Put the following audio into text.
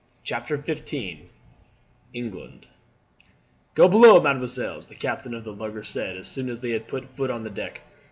CHAPTER XV England "Go below, mesdemoiselles," the captain of the lugger said as soon as they had put foot on the deck.